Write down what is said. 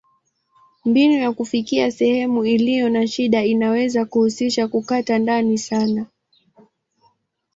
Mbinu ya kufikia sehemu iliyo na shida inaweza kuhusisha kukata ndani sana.